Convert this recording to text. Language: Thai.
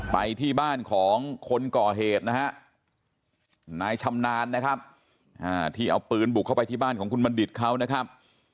ไปที่บ้านของคนก่อเหตุนะฮะนายชำนาญนะครับที่เอาปืนบุกเข้าไปที่บ้านของคุณบัณฑิตเขานะครับ